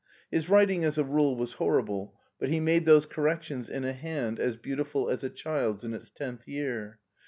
His writing as a rule was horrible, but he made those corrections in a hand as beautiful as a child's in its tenth year.